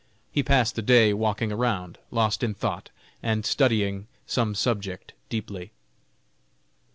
He passed the day walking around, lost in thought, and studying some subject deeply.